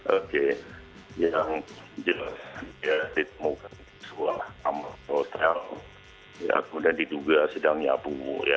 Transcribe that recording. oke yang jelas dia ditemukan di suara kamar hotel kemudian diduga sedang nyabu